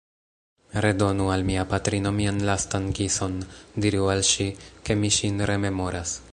Redonu al mia patrino mian lastan kison, diru al ŝi, ke mi ŝin rememoras!